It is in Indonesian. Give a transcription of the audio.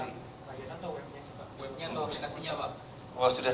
webnya atau aplikasinya pak